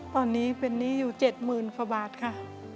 ตอนนี้เป็นหนี้อยู่เจ็ดหมื่นพระบาทค่ะ